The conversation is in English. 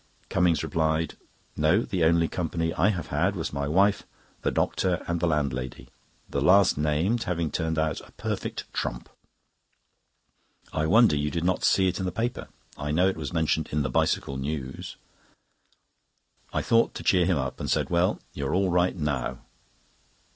Cummings replied: "No! The only company I have had was my wife, the doctor, and the landlady—the last named having turned out a perfect trump. I wonder you did not see it in the paper. I know it was mentioned in the Bicycle News." I thought to cheer him up, and said: "Well, you are all right now?"